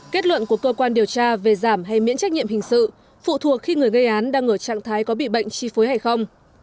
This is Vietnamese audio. kết luận của cơ quan điều tra về giảm hay miễn trách nhiệm hình sự phụ thuộc khi người gây án đang ở trạng thái có bị bệnh chi phối hay không